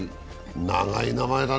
長い名前だね。